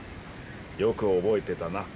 よく覚えてたな。